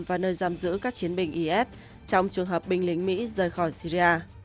và nơi giam giữ các chiến binh is trong trường hợp binh lính mỹ rời khỏi syria